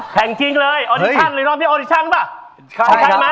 แทนจริงเลยอดิชันเลยรอมที่ดิชันใช่มะ